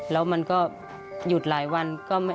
แล้วมันก็หยุดหลายวัน